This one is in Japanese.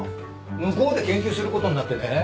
向こうで研究することになってね。